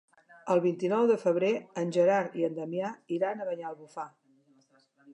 El vint-i-nou de febrer en Gerard i en Damià iran a Banyalbufar.